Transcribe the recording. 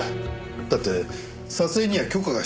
だって撮影には許可が必要ですし